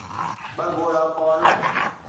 ٻه ڳوڙها پوڻ